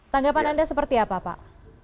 tanggapan anda seperti apa pak